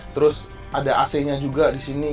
terus ada ac nya juga disini